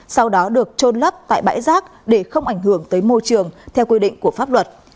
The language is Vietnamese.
sau đó được trôn lấp tại bãi rác để không ảnh hưởng tới môi trường theo quy định của pháp luật